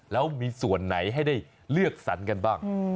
แล้วมีส่วนไหนให้ได้เลือกสรรกันบ้าง